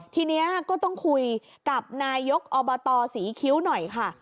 ทีนี้ก็ต้องคุยกับนายกอบตศรีคิ้วหน่อยค่ะ